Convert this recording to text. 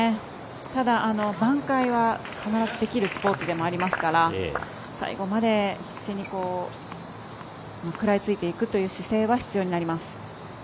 ただ、挽回は必ずできるスポーツでもありますから最後まで必死に食らいついていくという姿勢は必要だと思います。